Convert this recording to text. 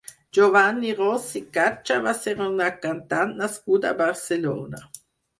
Giovanna Rossi-Caccia va ser una cantant nascuda a Barcelona.